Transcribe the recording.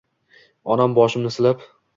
Onam boshimni silab